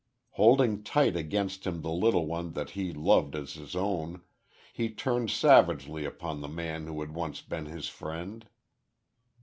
Holding tight against him the little one that he loved as his own, he turned savagely upon the man who had once been his friend.